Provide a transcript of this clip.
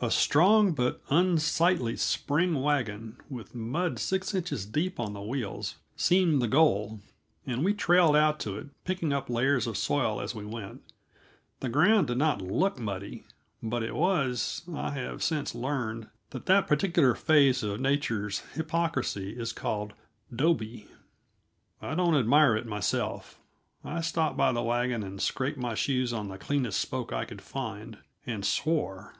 A strong but unsightly spring wagon, with mud six inches deep on the wheels, seemed the goal, and we trailed out to it, picking up layers of soil as we went. The ground did not look muddy, but it was; I have since learned that that particular phase of nature's hypocrisy is called "doby." I don't admire it, myself. I stopped by the wagon and scraped my shoes on the cleanest spoke I could find, and swore.